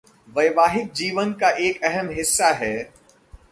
वैवाहिक जीवन का एक अहम हिस्सा है.....